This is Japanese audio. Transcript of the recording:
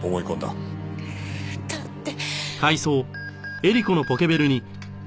だって。